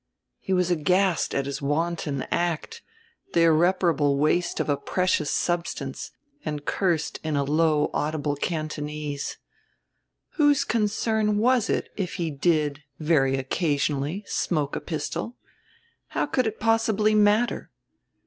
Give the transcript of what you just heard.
He was aghast at his wanton act, the irreparable waste of a precious substance, and cursed in a low audible Cantonese. Whose concern was it if he did, very occasionally, smoke a "pistol"? How could it possibly matter!